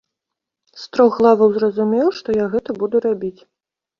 З трох главаў зразумеў, што я гэта буду рабіць.